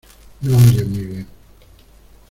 No oye muy bien.